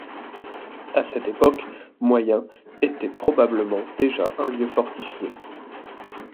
À cette époque, Moyen était probablement déjà un lieu fortifié.